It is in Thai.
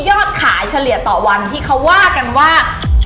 ยอดขายเฉลี่ยต่อวันที่เขาว่ากันว่า